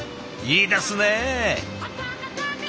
いいですね！